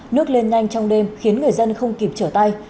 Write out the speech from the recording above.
nước lên nhanh trong đêm khiến người dân không kịp trở tay